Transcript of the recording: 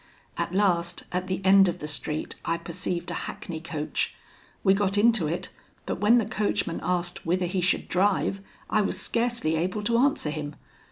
At last, at the end of the street, I perceived a hackney coach; we got into it, but when the coachman asked whither he should drive, I was scarcely able to answer him.